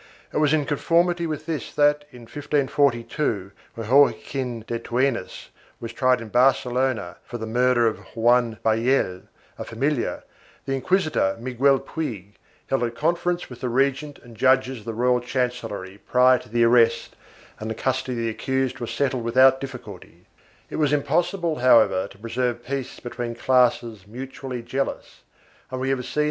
It was in con formity with this that, in 1542, when Joaquin de Tunes was tried in Barcelona for the murder of Juan Ballell, a familiar, the inquisitor, Miguel Puig, held a conference with the regent and judges of the royal chancellery, prior to the arrest, and the custody of the accused was settled without difficulty. It was impossible, however, to preserve peace between classes mutually jealous, and we have seen (p.